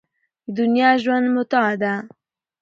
د دنیا ژوند متاع ده.